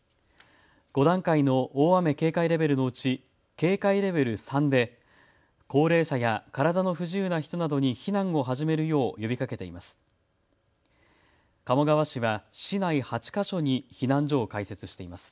５段階の大雨警戒レベルのうち警戒レベル３で高齢者や体の不自由な人などに避難を始めるよう呼びかけています。